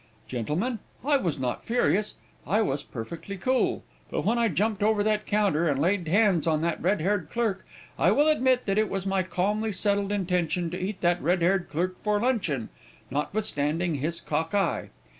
"Gentlemen, I was not furious, I was perfectly cool; but when I jumped over that counter, and laid hands on that red haired clerk, I will admit that it was my calmly settled intention to eat that red haired clerk for luncheon, notwithstanding his cock eye.